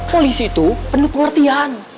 polisi itu penuh pengertian